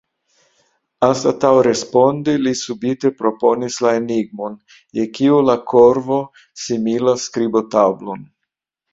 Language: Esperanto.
Anstataŭ respondi, li subite proponis la enigmon: "Je kio la korvo similas skribotablon?"